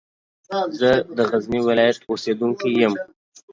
زه د غزني ولایت اوسېدونکی یم.